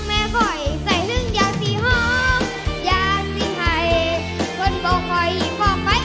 แม่ค่อยใส่ฮึ้งยาสีหอมยาสีไห่เพิ่นบอกค่อยคอกไป